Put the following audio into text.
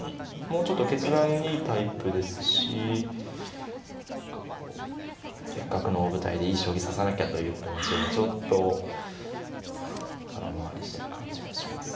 もうちょっと決断いいタイプですし何かこうせっかくの大舞台でいい将棋指さなきゃという気持ちがちょっと空回りしてる感じがします。